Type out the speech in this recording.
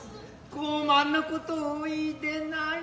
高慢なことをお言ひでない。